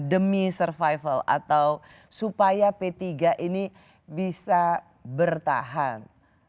demi survival atau supaya p tiga ini bisa bertahan